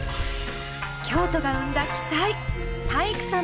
京都が生んだ鬼才！